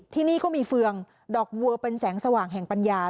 ที่นี่ก็มีเฟืองดอกบัวเป็นแสงสว่างแห่งปัญญา